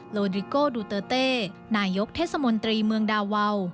โลดิโก้ดูเตอร์เต้นายกเทศมนตรีเมืองดาวาว